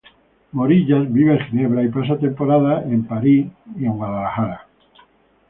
Morillas vive en Ginebra, y pasa temporadas en París y Nueva York.